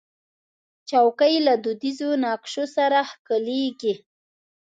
چوکۍ له دودیزو نقشو سره ښکليږي.